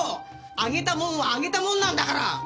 あげたもんはあげたもんなんだから！